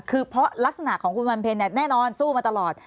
คือเพราะลักษณะของคุณวันเพลงแน่นอนสู้มาตลอด